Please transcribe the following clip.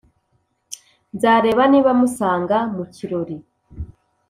nzareba niba musanga mu kirori..